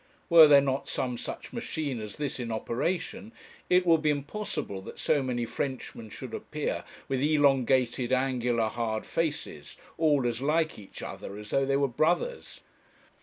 Were there not some such machine as this in operation, it would be impossible that so many Frenchmen should appear with elongated, angular, hard faces, all as like each other as though they were brothers!